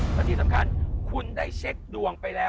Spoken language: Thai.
วัดสุทัศน์นี้จริงแล้วอยู่มากี่ปีตั้งแต่สมัยราชการไหนหรือยังไงครับ